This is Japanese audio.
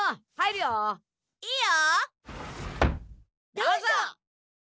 どうぞ。